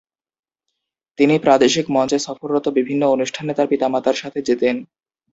তিনি প্রাদেশিক মঞ্চে সফররত বিভিন্ন অনুষ্ঠানে তার পিতামাতার সাথে যেতেন।